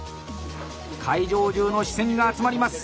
会場中の視線が集まります。